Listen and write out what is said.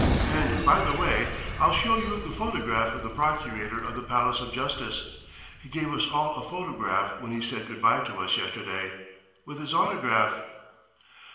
And, by the way, I'll show you the photograph of the procurator of the Palace of Justice. He gave us all a photograph when he said good bye to us yesterday, with his autograph."